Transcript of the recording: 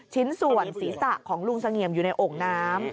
ชิ้นส่วนศีรษะของลุงเสงี่ยมอยู่ในโอ่งน้ำ